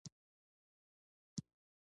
آیا د تهران لوی بازار مشهور نه دی؟